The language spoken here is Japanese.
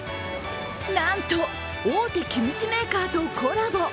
なんと、大手キムチメーカーとコラボ。